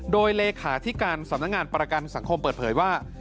โดยเลขาที่การสำนักงานประกันสังคมเปิดเผยว่า